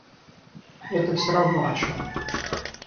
Это всё равно, о чем.